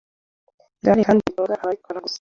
Igare kandi ntiritunga abaritwara gusa